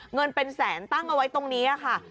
เงินเป็นแสนตั้งเอาไว้ตรงนี้ค่ะ